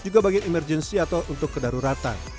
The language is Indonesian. juga bagian emergensi atau untuk kedaruratan